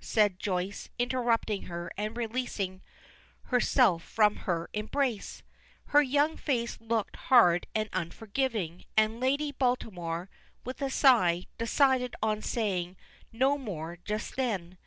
said Joyce, interrupting her and releasing herself from her embrace. Her young face looked hard and unforgiving, and Lady Baltimore, with a sigh, decided on saying no more just then.